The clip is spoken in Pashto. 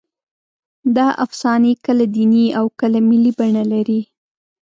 دا افسانې کله دیني او کله ملي بڼه لري.